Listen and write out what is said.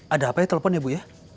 ada apa ya telepon ya bu ya